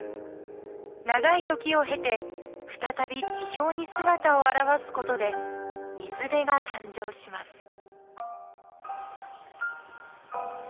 長い時を経て再び地表に姿を現すことで水辺が誕生します。